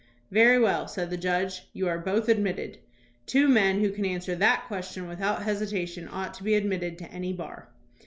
"Very well," said the judge, "you are both admitted. Two men who can answer that question without hesi tation ought to be admitted to any bar."